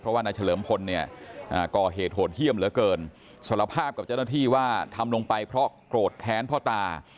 ว่านายเฉลิมพลเนี่ยก่อเหตุโหดเยี่ยมเหลือเกินสารภาพกับเจ้าหน้าที่ว่าทำลงไปเพราะโกรธแค้นพ่อตา